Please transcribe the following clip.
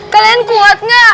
kalian kuat nggak